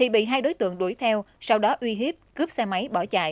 bị hai đối tượng đuổi theo sau đó uy hiếp cướp xe máy bỏ chạy